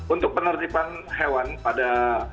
untuk penertiban hewan pada